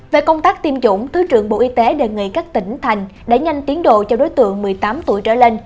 về công tác tiêm chủng thứ trưởng bộ y tế đề nghị các tỉnh thành để nhanh tiến độ cho đối tượng một mươi tám tuổi trở lên